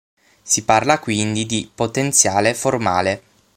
Si parla quindi di "potenziale formale".